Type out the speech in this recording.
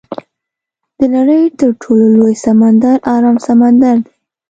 د نړۍ تر ټولو لوی سمندر ارام سمندر دی.